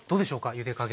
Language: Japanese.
ゆで加減。